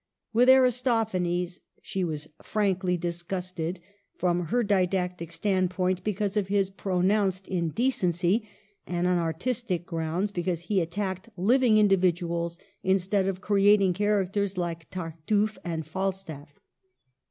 With Aristophanes she was frankly disgusted ; from her didactic standpoint, because of his pro nounced indecency; and on artistic grounds, because he attacked living individuals instead of creating characters like Tartufe and Falstaff.